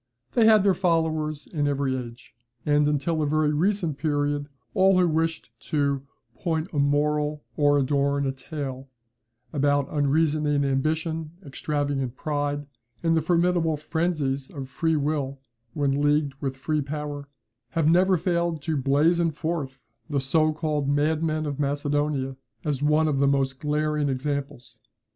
They had their followers in every age; and until a very recent period, all who wished to "point a moral or adorn a tale" about unreasoning ambition, extravagant pride, and the formidable frenzies of free will when leagued with free power, have never failed to blazon forth the so called madman of Macedonia as one of the most glaring examples.